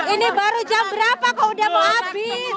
ini baru jam berapa kok udah mau habis